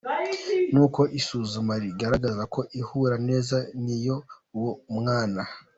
Nuko isuzuma rigaragaza ko ihura neza n'iy'uwo mwana.